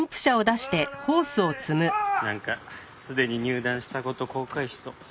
なんかすでに入団した事後悔しそう。